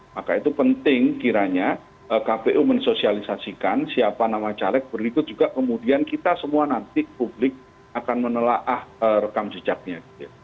maka itu penting kiranya kpu mensosialisasikan siapa nama caleg berikut juga kemudian kita semua nanti publik akan menelaah rekam jejaknya